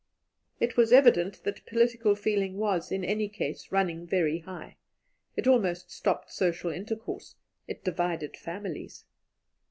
It was evident that political feeling was, in any case, running very high; it almost stopped social intercourse, it divided families.